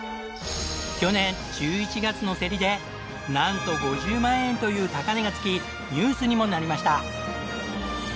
去年１１月の競りでなんと５０万円という高値が付きニュースにもなりました。